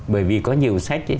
bởi vì có nhiều sách ấy